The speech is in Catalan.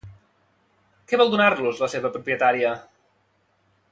Què vol donar-los la seva propietària?